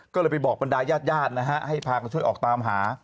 ก็เลยไปบอกบรรดายาดนะฮะให้พากันช่วยออกตามหา